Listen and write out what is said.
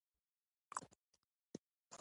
ویل یي ته راسره په ریښتیا مینه لرې